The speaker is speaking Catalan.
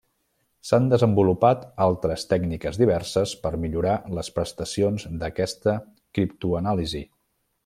S'han desenvolupat altres tècniques diverses per millorar les prestacions d'aquesta criptoanàlisi.